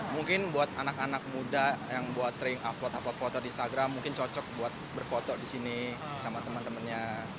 mungkin buat anak anak muda yang buat sering upload upload foto di instagram mungkin cocok buat berfoto di sini sama teman temannya